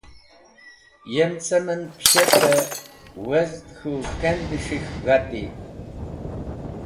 Yem cem en pishete wezd k̃hũ kend s̃hik̃h g̃hati.